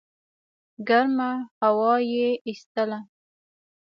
ګرمه هوا یې ایستله.